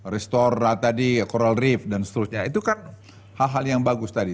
restora tadi coral refe dan seterusnya itu kan hal hal yang bagus tadi